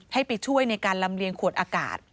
ให้ไปช่วยในการลำเลียงขวดอากาศ